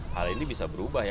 hal ini bisa berubah ya